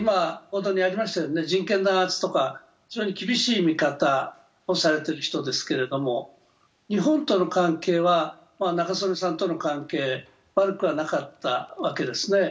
人権弾圧とか非常に厳しい見方をされている人ですけど、日本との関係は中曽根さんとの関係、悪くはなかったわけですね。